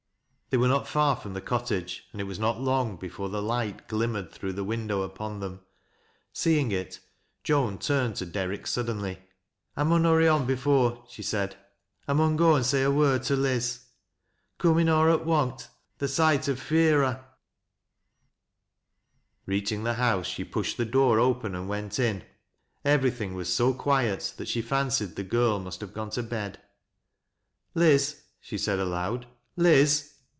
They yrere not far from the cottage, and it was not long before the light glimmered through the window upon them, Seeing it, Joan turned to Derrick suddenly. " I mim hurry on before," she said. " I mun go and Bay a word to Liz. Comin' aw at onct th soight ud feai hot" 9* 202 THAT LASS O LOWBISTS. Reaching the house, she pushed the door cipen and went it. Everything was bo quiet that she fancied the gin must have gone to bed. " Liz," she said aloud. " Liz !